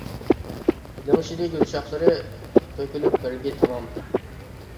لىڭشىدى گۈل شاخلىرى، تۆكۈلۈپ بەرگى تامام.